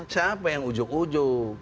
siapa yang ujung ujung